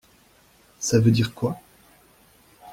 Ça veut dire quoi?